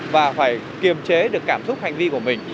và phải kiềm chế được cảm xúc hành vi của mình